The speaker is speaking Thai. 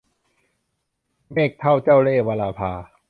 แม่เฒ่าเจ้าเล่ห์ - วราภา